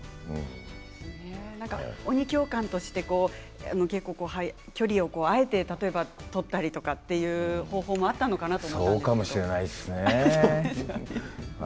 鬼教官として結構、距離をあえて取ったりとかいう方法もあったのかなと。